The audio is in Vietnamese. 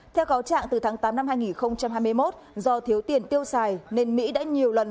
theo cáo trạng từ tháng tám năm hai nghìn hai mươi một do thiếu tiền tiêu xài nên mỹ đã nhiều lần